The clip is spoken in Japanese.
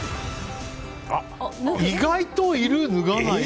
意外といる、脱がない人。